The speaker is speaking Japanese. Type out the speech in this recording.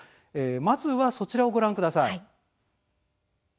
まずは、そちらのＶＴＲをご覧ください。